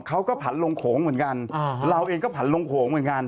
เขาก็ผันลงโขงเหมือนกันเราเองก็ผันลงโขงเหมือนกัน